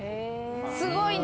すごいな！